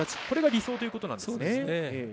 これが理想ということなんですね。